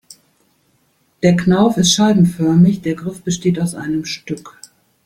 Der Knauf ist scheibenförmig, der Griff besteht aus einem Stück.